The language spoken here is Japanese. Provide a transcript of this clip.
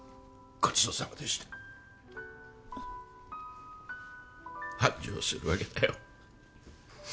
ごちそうさまでしたうん繁盛するわけだよ